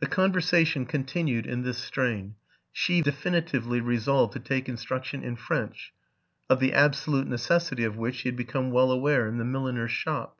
The conversation continued in this strain : she definitively resolved to take instruction in French, of the absolute necessity of which she had become well aware in the milliner's shop.